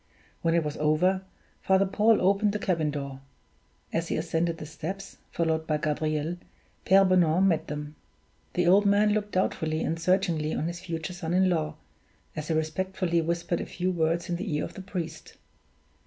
When it was over, Father Paul opened the cabin door. As he ascended the steps, followed by Gabriel, Pere Bonan met them. The old man looked doubtfully and searchingly on his future son in law, as he respectfully whispered a few words in the ear of the priest.